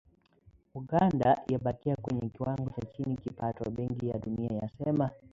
"Uganda yabakia kwenye kiwango cha chini kipato'', Benki ya Dunia yasema